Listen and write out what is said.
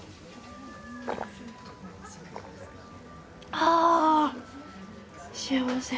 あぁ幸せ。